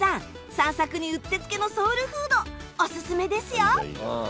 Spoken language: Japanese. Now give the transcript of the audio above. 散策にうってつけのソウルフードオススメですよ！